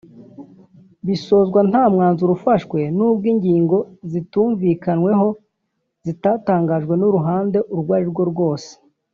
bisozwa nta mwanzuro ufashwe n’ubwo ingingo zitumvikanweho zitatangajwe n’uruhande urwo arirwo rwose